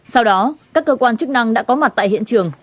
sau đó các cơ quan chức năng đã có mặt tại hiện trường